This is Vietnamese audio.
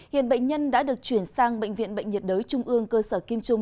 hiện bệnh nhân đã được chuyển sang bệnh viện bệnh nhiệt đới trung ương cơ sở kim trung